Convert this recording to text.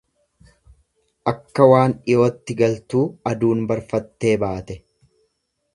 Akka waan dhiyotti galtuu aduun barfattee baate.